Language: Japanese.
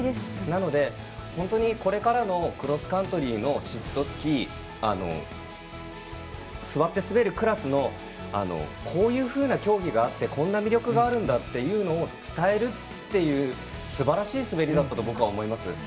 なので、本当にこれからのクロスカントリーのシットスキー座って滑るクラスのこういうふうな競技があってこんな魅力があるんだって伝えるというすばらしい滑りだったと思います。